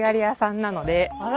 あら。